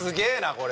これ。